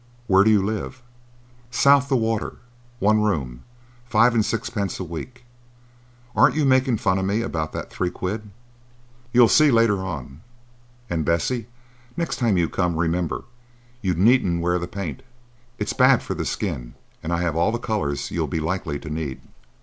Where do you live?" "South the water,—one room,—five and sixpence a week. Aren't you making fun of me about that three quid?" "You'll see later on. And, Bessie, next time you come, remember, you needn't wear that paint. It's bad for the skin, and I have all the colours you'll be likely to need."